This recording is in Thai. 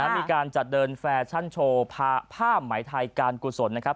มีการจัดเดินแฟชั่นโชว์ผ้าไหมไทยการกุศลนะครับ